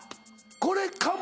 これかも。